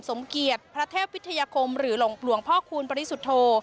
สมเกียรติพระเทพวิทยาคมหรือหลงหลวงพ่อคูณปริสุทธโธ